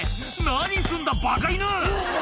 何すんだバカ犬！」